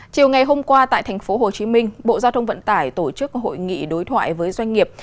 chiều ngày hôm qua tại thành phố hồ chí minh bộ giao thông vận tải tổ chức hội nghị đối thoại với doanh nghiệp